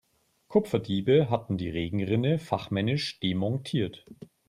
Kupferdiebe hatten die Regenrinne fachmännisch demontiert.